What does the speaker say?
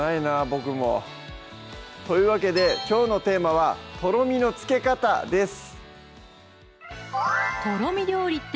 僕もというわけできょうのテーマは「とろみの付け方」です